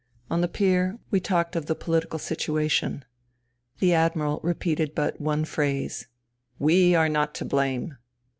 On the pier we talked of the pohtical 222 FUTILITY situation. The Admiral repeated but one phrase :" We are not to blame."